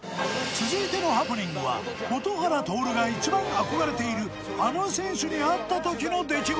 続いてのハプニングは蛍原徹が一番憧れているあの選手に会った時の出来事